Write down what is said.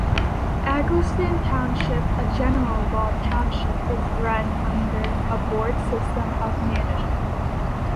Egelston Township, a general law township, is run under a board system of management.